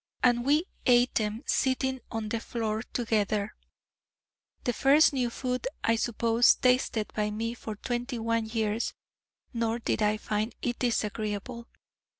And we ate them, sitting on the floor together: the first new food, I suppose, tasted by me for twenty one years: nor did I find it disagreeable.